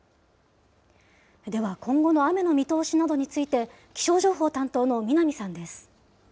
では今後の雨の見通しなどについて、気象情報担当の南さんです。